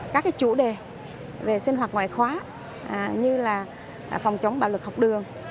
các chủ đề về sinh hoạt ngoại khóa như là phòng chống bạo lực học đường